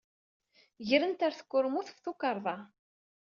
Gren-t ɣer tkurmut ɣef tukerḍa.